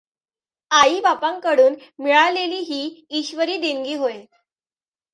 आईबापांकडून मिळालेली ही ईश्वरी देणगी होय.